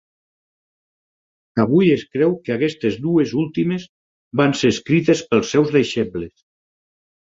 Avui es creu que aquestes dues últimes van ser escrites pels seus deixebles.